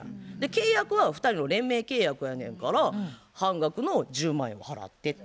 契約は２人の連名契約やねんから半額の１０万円を払ってって。